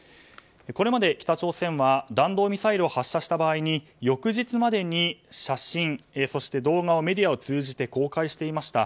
これまで北朝鮮は弾道ミサイルを発射した場合に翌日までに写真、動画をメディアを通じて公開していました。